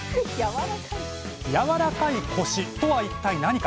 やわらかいコシとは一体何か。